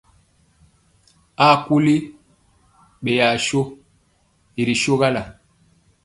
Aɓaŋɔlɔ yɔ kuli ɓeyɔ swɔ i ri sogala.